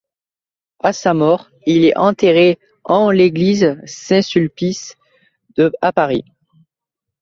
À sa mort, il est enterré en l'église Saint-Sulpice, à Paris.